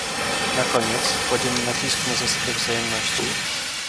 Na koniec, kładziemy nacisk na zasadę wzajemności